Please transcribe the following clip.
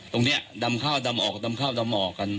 ตรงนี้ดำเข้าดำออกดำเข้าดำออก